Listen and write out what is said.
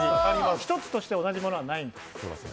１つとして同じものはないんです。